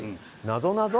なぞなぞ？